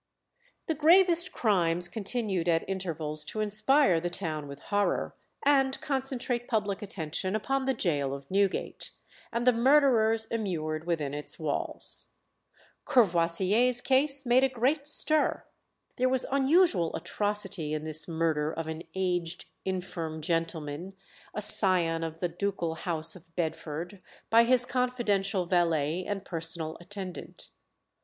The gravest crimes continued at intervals to inspire the town with horror, and concentrate public attention upon the gaol of Newgate, and the murderers immured within its walls. Courvoisier's case made a great stir. There was unusual atrocity in this murder of an aged, infirm gentleman, a scion of the ducal house of Bedford, by his confidential valet and personal attendant.